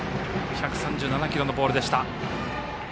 １３７キロのボールでした。